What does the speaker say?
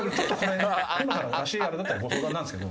今回脚あれだったらご相談なんですけど。